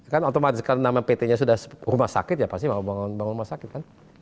kan otomatis karena nama pt nya sudah rumah sakit ya pasti mau bangun rumah sakit kan